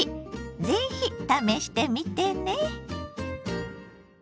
ぜひ試してみてね！